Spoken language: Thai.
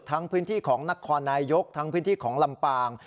พื้นที่ของนครนายยกทั้งพื้นที่ของลำปาง